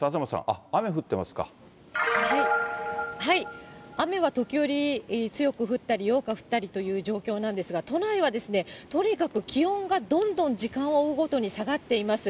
あっ、雨は時折、強く降ったり、弱く降ったりという状況なんですが、都内はとにかく気温がどんどん時間を追うごとに下がっています。